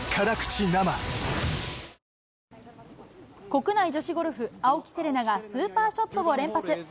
国内女子ゴルフ、青木瀬令奈がスーパーショットを連発。